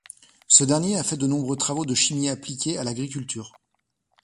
Ce dernier a fait de nombreux travaux de chimie appliquée à l'agriculture.